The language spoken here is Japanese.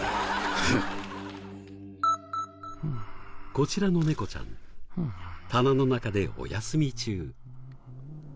こちらの猫ちゃん棚の中でお休み中。